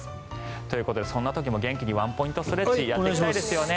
ということで、そんな時も元気にワンポイントストレッチをやっていきたいですよね。